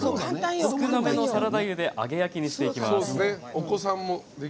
少なめのサラダ油で揚げ焼きしていきます。